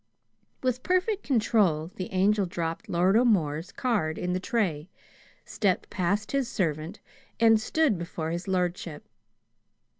With perfect control the Angel dropped Lord O'More's card in the tray, stepped past his servant, and stood before his lordship.